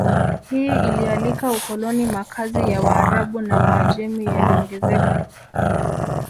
Hii ilialika ukoloni Makazi ya Waarabu na Waajemi yaliongezeka